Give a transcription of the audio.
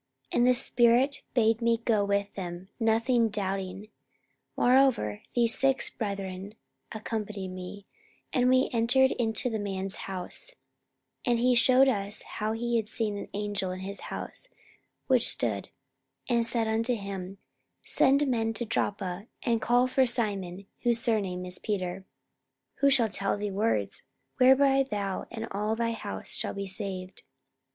44:011:012 And the Spirit bade me go with them, nothing doubting. Moreover these six brethren accompanied me, and we entered into the man's house: 44:011:013 And he shewed us how he had seen an angel in his house, which stood and said unto him, Send men to Joppa, and call for Simon, whose surname is Peter; 44:011:014 Who shall tell thee words, whereby thou and all thy house shall be saved.